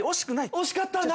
惜しかったな。